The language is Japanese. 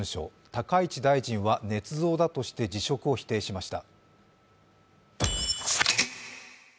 高市大臣はねつ造だとして辞職を否定しました。